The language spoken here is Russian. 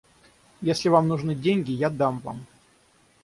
Если вам нужны деньги, я дам вам.